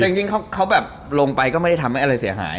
แต่ยิ่งเขาแบบลงไปก็ไม่ได้ทำให้อะไรเสียหาย